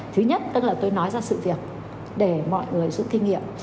thứ nhất tôi nói ra sự việc để mọi người giữ kinh nghiệm